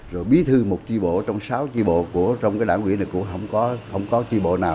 rồi bí thư một chi bộ trong sáu chi bộ của trong cái đảng quỹ này cũng không có chi bộ nào